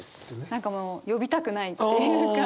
何かもう呼びたくないっていうか。